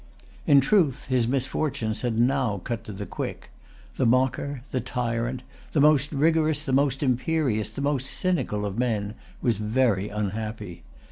In truth, his misfortunes had now cut to the quick. The mocker, the tyrant, the most rigorous, the most imperious, the most cynical of men, was very unhappy.